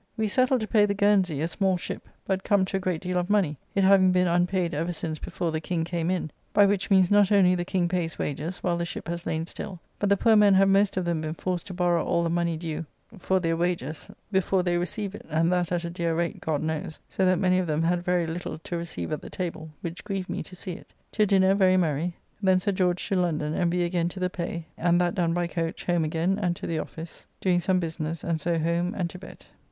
We settled to pay the Guernsey, a small ship, but come to a great deal of money, it having been unpaid ever since before the King came in, by which means not only the King pays wages while the ship has lain still, but the poor men have most of them been forced to borrow all the money due for their wages before they receive it, and that at a dear rate, God knows, so that many of them had very little to receive at the table, which grieved me to see it. To dinner, very merry. Then Sir George to London, and we again to the pay, and that done by coach home again and to the office, doing some business, and so home and to bed.